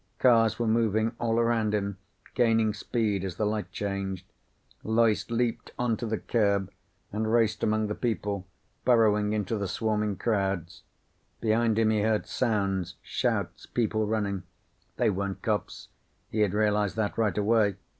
Cars were moving all around him, gaining speed as the light changed. Loyce leaped onto the curb and raced among the people, burrowing into the swarming crowds. Behind him he heard sounds, shouts, people running. They weren't cops. He had realized that right away.